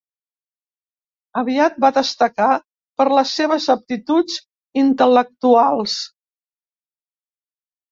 Aviat va destacar per les seves aptituds intel·lectuals.